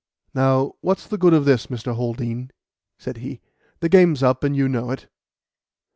"Now, what's the good of this, Mr. Haldean?" said he. "The game's up, and you know it."